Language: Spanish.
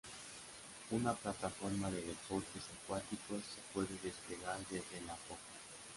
Una plataforma de deportes acuáticos se puede desplegar desde la popa.